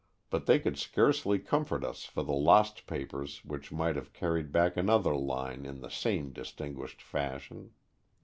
But they could scarcely comfort us for the lost papers which might have carried back another line in the same distinguished fashion.